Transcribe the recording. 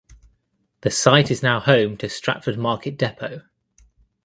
The site is now home to Stratford Market Depot.